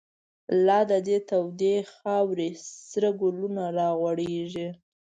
لا د دی تودو خاورو، سره گلونه را غوړیږی